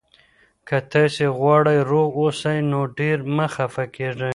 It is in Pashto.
که تاسي غواړئ روغ اوسئ، نو ډېر مه خفه کېږئ.